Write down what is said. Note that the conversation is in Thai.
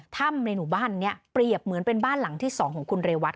ในหมู่บ้านนี้เปรียบเหมือนเป็นบ้านหลังที่๒ของคุณเรวัต